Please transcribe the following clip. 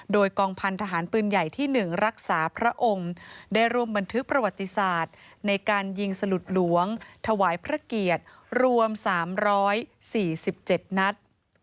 โดยกองพันธหารปืนใหญ่ที่๑รักษาพระองค์ได้ร่วมบันทึกประวัติศาสตร์ในการยิงสลุดหลวงถวายพระเกียรติรวม๓๔๗นัด